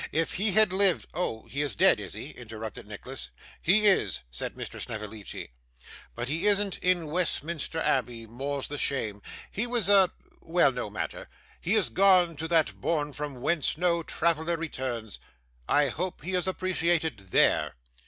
If he had lived ' 'Oh, he is dead, is he?' interrupted Nicholas. 'He is,' said Mr. Snevellicci, 'but he isn't in Westminster Abbey, more's the shame. He was a . Well, no matter. He is gone to that bourne from whence no traveller returns. I hope he is appreciated THERE.